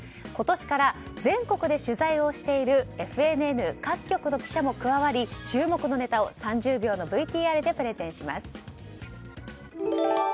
今年から全国で取材をしているＦＮＮ各国の記者も加わり注目のネタを３０秒のＶＴＲでプレゼンします。